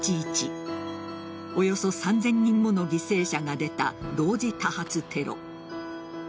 およそ３０００人もの犠牲者が出た同時多発テロ。